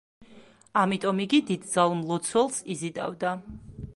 ამიტომ იგი დიდძალ მლოცველს იზიდავდა.